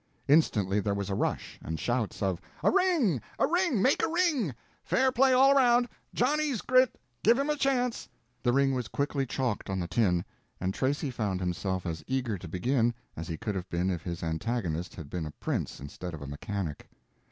Instantly there was a rush, and shouts of: "A ring, a ring, make a ring! Fair play all round! Johnny's grit; give him a chance." The ring was quickly chalked on the tin, and Tracy found himself as eager to begin as he could have been if his antagonist had been a prince instead of a mechanic.